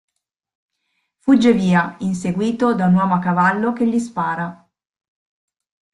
Fugge via, inseguito da un uomo a cavallo che gli spara.